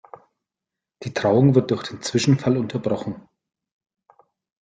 Die Trauung wird durch den Zwischenfall unterbrochen.